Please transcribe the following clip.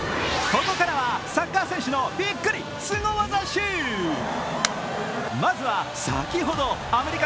ここからはサッカー選手のビックリ！